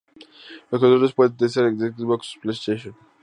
Los controles pueden ser de Xbox o PlayStation.